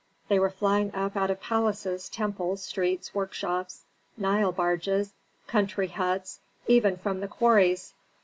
They were flying up out of palaces, temples, streets, workshops, Nile barges, country huts, even from the quarries.